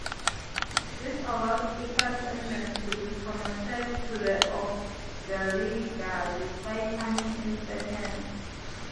This allowed Kickers Emden to be promoted to the Oberliga despite coming in second.